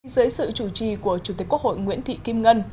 dưới sự chủ trì của chủ tịch quốc hội nguyễn thị kim ngân